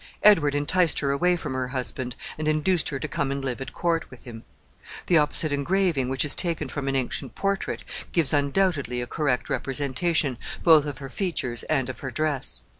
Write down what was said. Edward enticed her away from her husband, and induced her to come and live at court with him. The opposite engraving, which is taken from an ancient portrait, gives undoubtedly a correct representation both of her features and of her dress.